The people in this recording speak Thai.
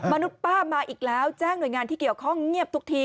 มนุษย์ป้ามาอีกแล้วแจ้งหน่วยงานที่เกี่ยวข้องเงียบทุกที